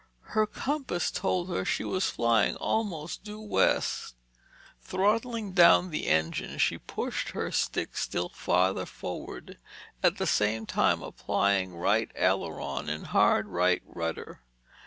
Her compass told her she was flying almost due west. Throttling down the engine, she pushed her stick still farther forward, at the same time applying right aileron and hard right rudder.